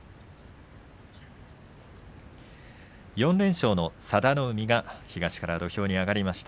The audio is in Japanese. ４連勝の佐田の海東から土俵に上がりました。